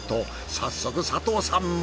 早速佐藤さんも。